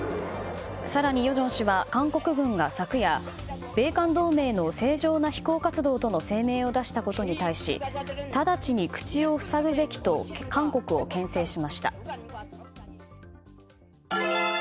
更に与正氏は、韓国軍が昨夜米韓同盟の正常な飛行活動との声明を出したことに対しただちに口を塞ぐべきと韓国を牽制しました。